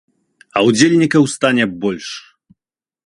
А удзельнікаў стане больш.